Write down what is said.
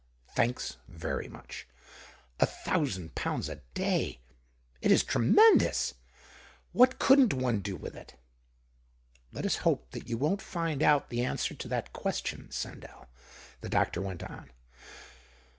" Thanks, very much. A thousand pounds a day ! It is tremendous. What couldn't one do with it ?"" Let us hope that you won't find out the answer to that question, Sandell," the doctor went on.